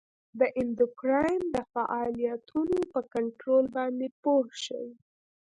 د اندوکراین د فعالیتونو په کنترول باندې پوه شئ.